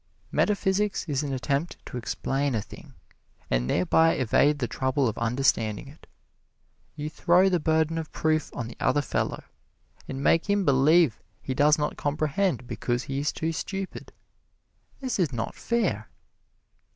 Metaphysics is an attempt to explain a thing and thereby evade the trouble of understanding it. You throw the burden of proof on the other fellow and make him believe he does not comprehend because he is too stupid. This is not fair!